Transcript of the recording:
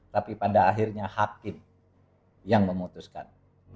tapi pada akhirnya hakim yang memutuskan